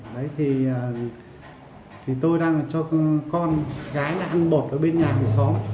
đấy thì tôi đang cho con gái ăn bột ở bên nhà của xóm